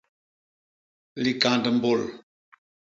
Likand mbôl.